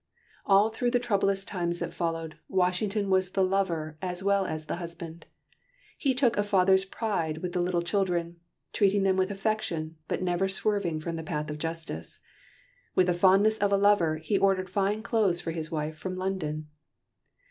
All through the troublous times that followed, Washington was the lover as well as the husband. He took a father's place with the little children, treating them with affection, but never swerving from the path of justice. With the fondness of a lover, he ordered fine clothes for his wife from London.